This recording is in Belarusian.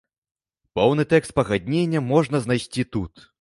Поўны тэкст пагаднення можна знайсці тут.